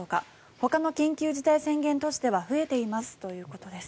ほかの緊急事態宣言都市では増えていますということです。